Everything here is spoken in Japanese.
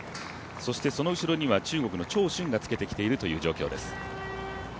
そしてその後ろには中国の選手がつけてきている状況です。